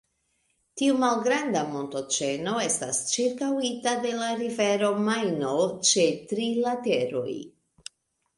Tiu malgranda montoĉeno estas ĉirkaŭita de la rivero Majno ĉe tri lateroj.